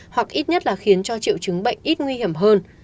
hoặc ít nhất là khiến cho triệu chứng bệnh ít nguy hiểm hơn